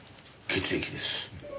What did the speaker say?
血液です。